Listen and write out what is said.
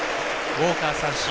ウォーカー、三振！